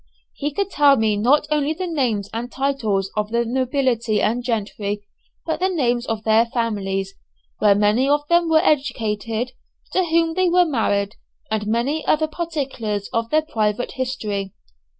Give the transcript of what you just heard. He could tell me not only the names and titles of the nobility and gentry, but the names of their families, where many of them were educated, to whom they were married, and many other particulars of their private history.